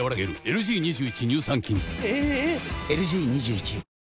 ⁉ＬＧ２１